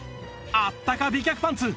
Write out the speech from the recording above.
あったか美脚パンツ